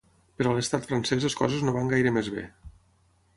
Però a l’estat francès les coses no van gaire més bé.